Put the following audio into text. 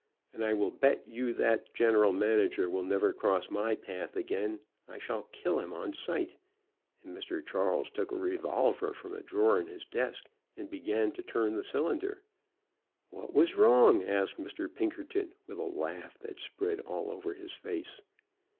"And I will bet you that general manager will never cross my path again. I shall kill him on sight," and Mr. Charles took a revolver from a drawer in his desk, and began to turn the cylinder. "What was wrong?" asked Mr. Pinkerton, with a laugh that spread all over his face.